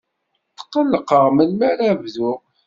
Tqellqeɣ melmi ara bduɣ.